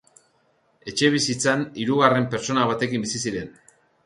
Etxebizitzan hirugarren pertsona batekin bizi ziren.